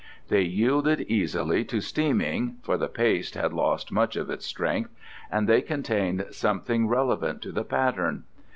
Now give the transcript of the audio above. They yielded easily to steaming, for the paste had lost much of its strength, and they contained something relevant to the pattern.